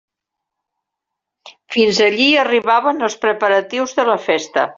Fins allí arribaven els preparatius de la festa.